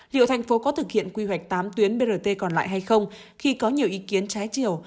liệu thành phố có thực hiện quy hoạch tám tuyến brt còn lại hay không khi có nhiều ý kiến trái chiều